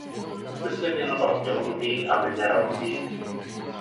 Zde se věnoval geologii a mineralogii.